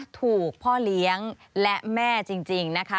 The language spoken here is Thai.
ถูกพ่อเลี้ยงและแม่จริงนะคะ